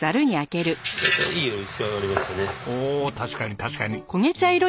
おお確かに確かに。